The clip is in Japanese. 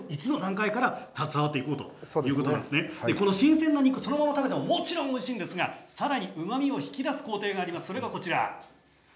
この新鮮な肉そのものもそのまま食べてもおいしいんですけども、さらにうまみを引き出す工程があります。